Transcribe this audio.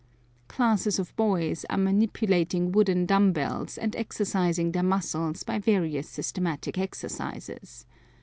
Classes of boys are manipulating wooden dumb bells and exercising their muscles by various systematic exercises.